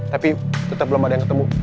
tapi tetap belum ada yang ketemu